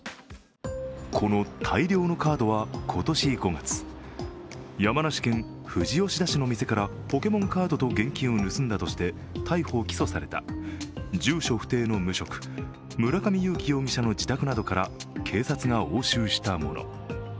この大量のカードは今年５月山梨県富士吉田市の店からポケモンカードと現金を盗んだとして逮捕・起訴された、住所不定の無職村上友貴容疑者の自宅などから警察が押収したもの。